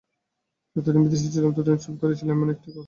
যতদিন বিদেশে ছিলাম, ততদিন চুপ করিয়াছিলাম, এমন কি একটি কথাও বলি নাই।